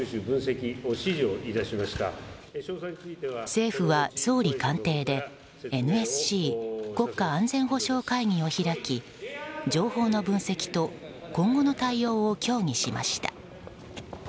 政府は総理官邸でＮＳＣ・国家安全保障会議を開き情報の分析と今後の対応を協議しました。